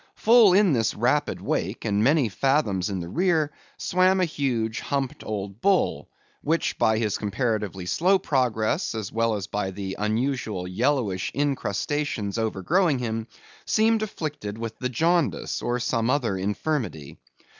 Full in this rapid wake, and many fathoms in the rear, swam a huge, humped old bull, which by his comparatively slow progress, as well as by the unusual yellowish incrustations overgrowing him, seemed afflicted with the jaundice, or some other infirmity.